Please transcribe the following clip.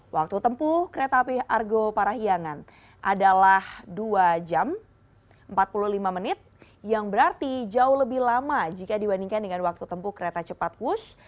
waktu tempuh kereta api argo parahiangan adalah dua jam empat puluh lima menit yang berarti jauh lebih lama jika dibandingkan dengan waktu tempuh kereta cepat wush